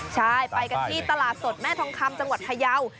ใช่ไปกันที่ตลาดสดแม่ทองคำจังหวัดพยาว